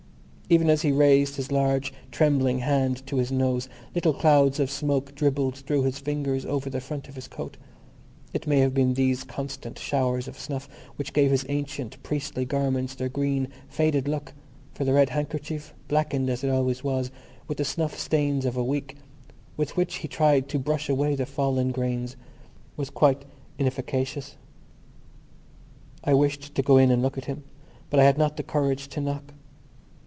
Even as he raised his large trembling hand to his nose little clouds of smoke dribbled through his fingers over the front of his coat. It may have been these constant showers of snuff which gave his ancient priestly garments their green faded look for the red handkerchief, blackened, as it always was, with the snuff stains of a week, with which he tried to brush away the fallen grains, was quite inefficacious. I wished to go in and look at him but I had not the courage to knock.